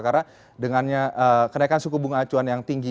karena kenaikan suku bunga acuan yang tinggi ini